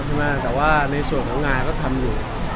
แต่ว่าในส่วนของงานก็ทำอยู่